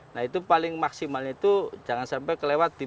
nah itu paling maksimalnya itu jangan sampai kelewat di musim panas